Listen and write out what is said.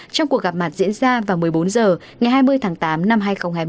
trong cuộc gặp mặt diễn ra vào một mươi bốn h ngày hai mươi tháng tám năm hai nghìn hai mươi